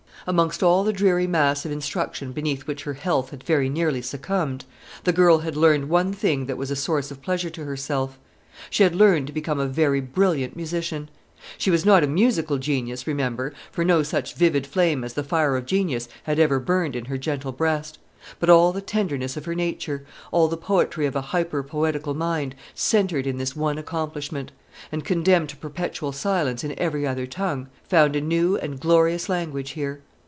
Amongst all the dreary mass of instruction beneath which her health had very nearly succumbed, the girl had learned one thing that was a source of pleasure to herself; she had learned to become a very brilliant musician. She was not a musical genius, remember; for no such vivid flame as the fire of genius had ever burned in her gentle breast; but all the tenderness of her nature, all the poetry of a hyper poetical mind, centred in this one accomplishment, and, condemned to perpetual silence in every other tongue, found a new and glorious language here.